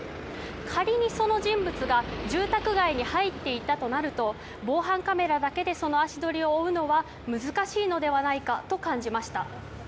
仮にその人物が住宅街に入っていったとなると防犯カメラだけでその足取りを追うのは難しいのではないかと感じました。